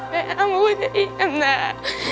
แม่อ้าววันนี้อินแม่